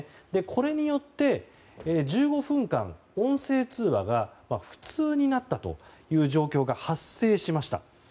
これによって１５分間、音声通話が不通になったという状況が発生しました。